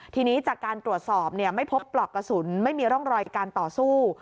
ทีนี้จากการตรวจสอบไม่พบปลอกกระสุนไม่มีร่องรอยการต่อสู้